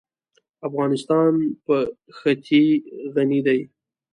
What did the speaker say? افغانستان په ښتې غني دی.